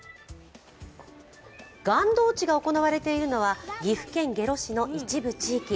がんどうちが行われているのは岐阜県下呂市の一部地域。